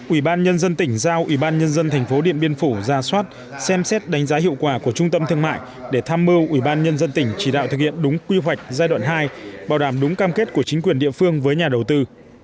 ubnd tỉnh giao ubnd tp điện biên phủ ra soát xem xét đánh giá hiệu quả của trung tâm thương mại để tham mưu ubnd tỉnh chỉ đạo thực hiện đúng quy hoạch giai đoạn hai bảo đảm đúng cam kết của chính quyền địa phương với nhà đầu tư